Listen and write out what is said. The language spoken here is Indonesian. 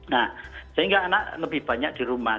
nah sehingga anak lebih banyak di rumah